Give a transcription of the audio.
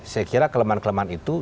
saya kira kelemahan kelemahan itu